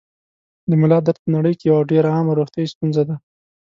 د ملا درد په نړۍ کې یوه ډېره عامه روغتیايي ستونزه ده.